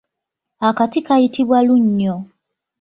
Akati kayitibwa lunnyo.